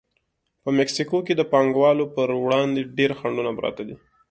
په مکسیکو کې د پانګوالو پر وړاندې ډېر خنډونه پراته دي.